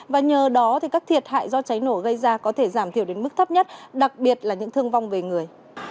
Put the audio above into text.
và nhờ đó các thiệt hại do cháy nổ gây ra có thể giảm thiểu đến mức thấp nhất đặc biệt là những thương vong về người